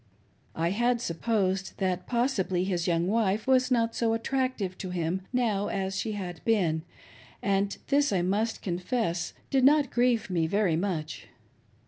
I had supposed that, possibly, his young wife was not so attractive to him now as she had been ; and this I must confess, did not grieve me very much.